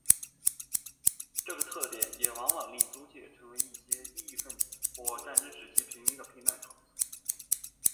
这个特点也往往令租界成为一些异议份子或战争时期平民的避难场所。